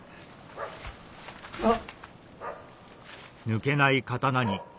あっ。